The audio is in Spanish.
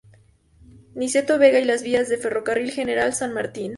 Niceto Vega y las vías del Ferrocarril General San Martín.